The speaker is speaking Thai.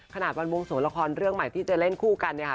ขนาดวันวงสวงละครเรื่องใหม่ที่จะเล่นคู่กันเนี่ยค่ะ